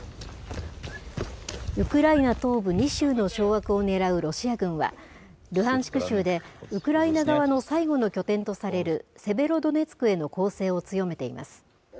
ウクライナ東部２州の掌握をねらうロシア軍は、ルハンシク州でウクライナ側の最後の拠点とされる、セベロドネツクへの攻勢を強めています。